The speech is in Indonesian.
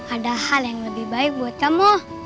ada hal yang lebih baik buat kamu